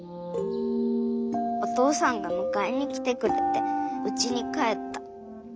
お父さんが迎えに来てくれてうちに帰った。